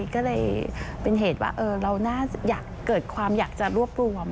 ก็เลยเป็นเหตุว่าเราน่าเกิดความอยากจะรวบรวม